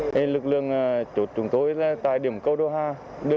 các lực lượng công việc không hề nhỏ và yêu cầu phải tiến hành một cách nhanh nhất có thể